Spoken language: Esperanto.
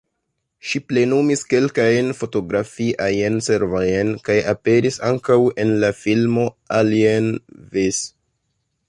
Ŝi plenumis kelkajn fotografiajn servojn kaj aperis ankaŭ en la filmo "Alien vs.